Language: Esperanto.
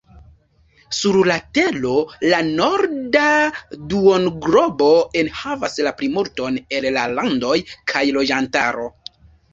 Sur la tero la norda duonglobo enhavas la plimulton el la landoj kaj loĝantaro.